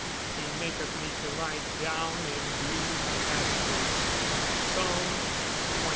He maketh me to lie down in green pastures." PSALM XXIII.